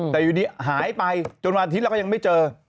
แต่อยู่ดีหายไปจนวันอาทิตย์เราก็ยังไม่เจอ